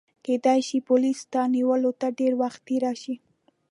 کیدای شي پولیس ستا نیولو ته ډېر وختي راشي.